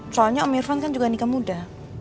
soalnya pak irfan kan juga nikah muda